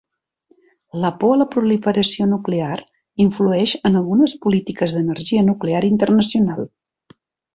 La por a la proliferació nuclear influeix en algunes polítiques d'energia nuclear internacional.